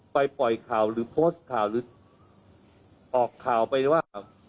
ปล่อยข่าวหรือโพสต์ข่าวหรือออกข่าวไปว่า